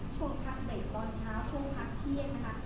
ช่วงพักไหนตอนเช้าช่วงพักเที่ยงนะคะ